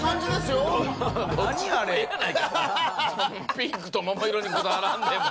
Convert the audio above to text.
ピンクと桃色にこだわらんでも。